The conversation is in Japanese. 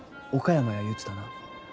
岡山や言うてたな？